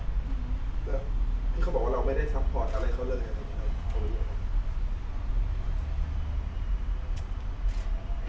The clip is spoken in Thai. พี่เขาบอกว่าเราไม่ได้ซัพพอร์ตอะไรเขาเลยนะ